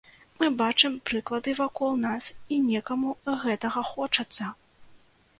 Мы бачым прыклады вакол нас і некаму гэтага хочацца.